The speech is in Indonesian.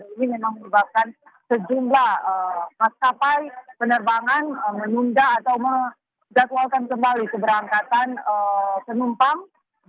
ini memang merupakan sejumlah maskapai penerbangan menunda atau menjatuhalkan kembali keberangkatan penumpang